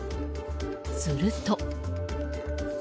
すると。